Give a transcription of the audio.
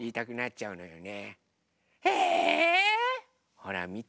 ほらみて。